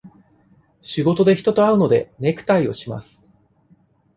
仕事で人と会うので、ネクタイをします。